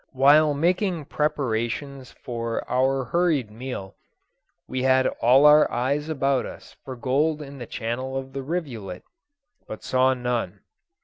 While making preparations for our hurried meal, we had all our eyes about us for gold in the channel of the rivulet, but saw none.